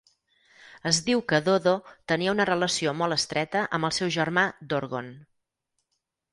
Es diu que Dodo tenia una relació molt estreta amb el seu germà Dorgon.